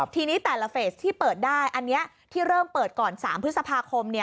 ทีนี้แต่ละเฟสที่เปิดได้อันนี้ที่เริ่มเปิดก่อน๓พฤษภาคม